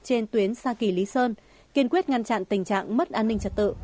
trên tuyến sa kỳ lý sơn kiên quyết ngăn chặn tình trạng mất an ninh trật tự